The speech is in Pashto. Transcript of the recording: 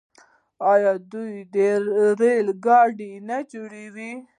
آیا دوی ریل ګاډي نه جوړوي؟